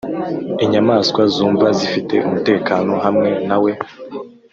inyamaswa zumva zifite umutekano hamwe na we,